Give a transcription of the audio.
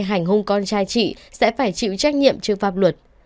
hành hung con trai chị sẽ phải chịu trách nhiệm trước pháp luật